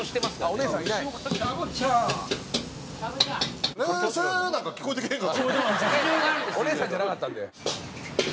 お姉さんじゃなかった。